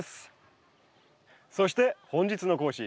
そして本日の講師